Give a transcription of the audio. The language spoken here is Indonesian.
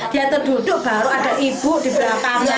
dia terduduk baru ada ibu di belakangnya